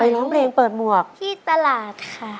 ร้องเพลงเปิดหมวกที่ตลาดค่ะ